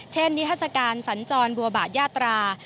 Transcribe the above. เช่นนิทราสการสัญจรบัวบาทยาตรา